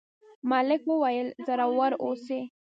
ملک وویل زړور اوسئ.